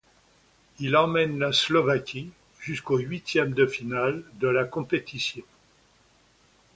Il emmène la Slovaquie jusqu'aux huitièmes de finale de la compétition.